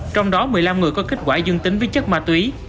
trong đó một mươi năm người có kết quả dương tính với chất ma túy